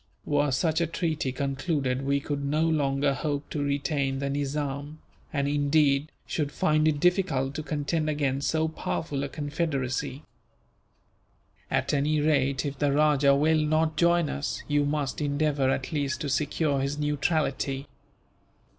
Were such a treaty concluded, we could no longer hope to retain the Nizam; and indeed, should find it difficult to contend against so powerful a confederacy. At any rate, if the rajah will not join us, you must endeavour at least to secure his neutrality.